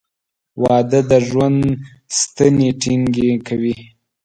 • واده د ژوند ستنې ټینګې کوي.